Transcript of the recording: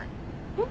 えっ？